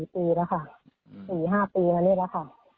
๔๕ปีแล้วค่ะ